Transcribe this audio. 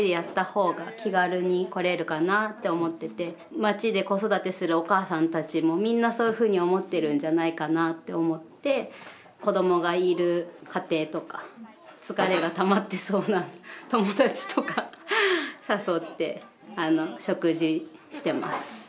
町で子育てするお母さんたちもみんなそういうふうに思ってるんじゃないかなって思って子どもがいる家庭とか疲れがたまってそうな友達とか誘って食事してます。